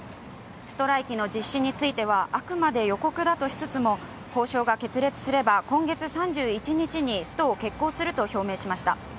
ストライキの実施については、あくまで予告だとしつつも交渉が決裂すれば、今月３１日にストを決行すると表明しました。